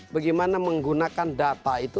bagaimana menggunakan data itu